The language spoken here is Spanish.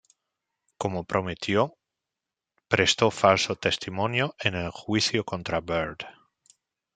Como prometió, presta falso testimonio en el juicio contra Bird.